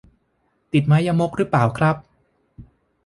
ติดไม้ยมกหรือเปล่าครับ